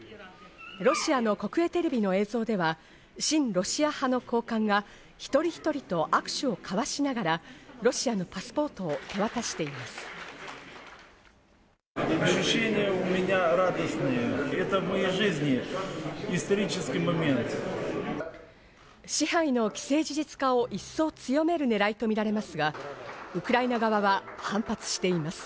ロシアの国営テレビの映像では、親ロシア派の高官が一人一人と握手を交わしながらロシアのパスポートを手渡しています。